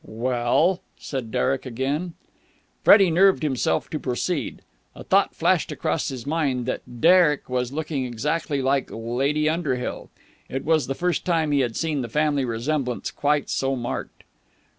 "Well?" said Derek again. Freddie nerved himself to proceed. A thought flashed across his mind that Derek was looking exactly like Lady Underhill. It was the first time he had seen the family resemblance quite so marked.